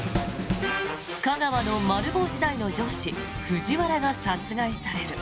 架川のマル暴時代の上司藤原が殺害される。